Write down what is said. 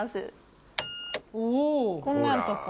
こんなんとか。